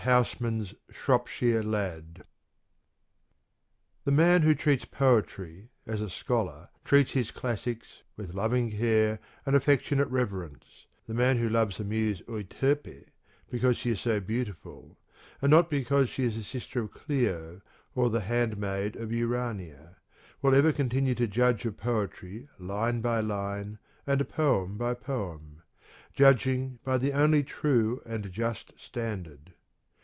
HOUS MAN'S "SHROPSHIRE LAD" THE man who treats poetry as a scholar treats his classics, with loving care and affectionate reverence, the man who loves the muse Euterpe because she is so beautiful, and not because she is the sister of Clio or the handmaid of Urania, will ever continue to judge of poetry line by line and poem by poem, judging by the only true and just standard.